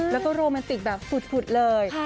แล้วก็โรแมนติกแบบฝุดเลย